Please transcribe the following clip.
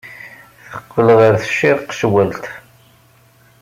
Teqqel ɣer tcirqecwalt.